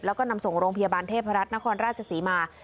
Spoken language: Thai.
แล้วก็นำส่งโรงพยาบาลเทพรัฐนครราชศรีมา